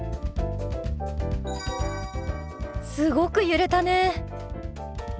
すごく揺れたね。